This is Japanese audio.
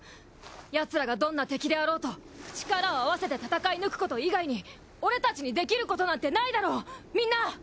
ヤツらがどんな敵であろうと力を合わせて戦い抜くこと以外に俺たちにできることなんてないだろうみんな！